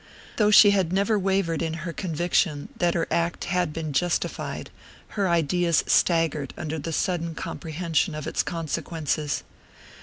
Though she had never wavered in her conviction that her act had been justified her ideas staggered under the sudden comprehension of its consequences.